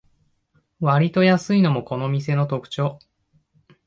わりと安いのもこの店の特長